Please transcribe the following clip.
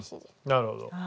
なるほど。